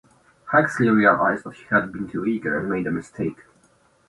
Huxley realized that he had been too eager and made a mistake.